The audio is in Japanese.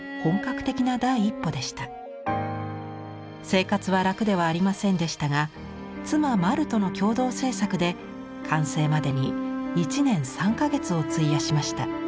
生活は楽ではありませんでしたが妻まるとの共同制作で完成までに１年３か月を費やしました。